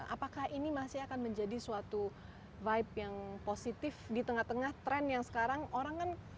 apakah ini masih akan menjadi suatu vibe yang positif di tengah tengah tren yang sekarang orang kan